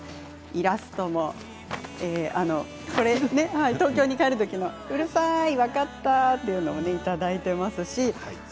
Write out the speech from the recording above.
イラストも、東京に帰る時のうるさい、分かったというのも、いただいています。